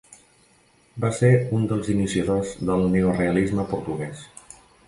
Va ser un dels iniciadors del neorealisme portuguès.